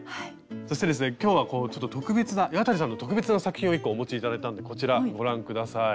そしてですね今日はちょっと特別な岩谷さんの特別な作品を１個お持ち頂いたんでこちらご覧下さい。